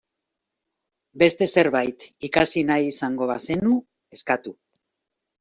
Beste zerbait ikasi nahi izango bazenu, eskatu.